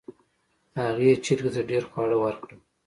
هغې چرګې ته ډیر خواړه ورکړل.